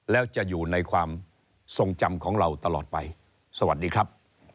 แล้วจะอยู่ในความทรงจำของเราตลอดไปสวัสดีครับ